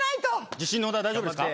自信のほどは大丈夫ですか？